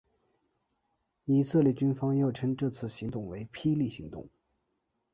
以色列军方又称这次行动为霹雳行动。